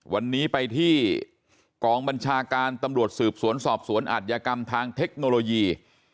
วันนี้ไปที่กองบัญชาการตำรวจสืบสวนสอบสวนอัธยกรรมทางเทคโนโลยี